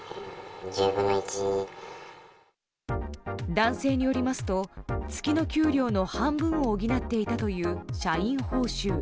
男性によりますと月の給料の半分を補っていたという社員報酬。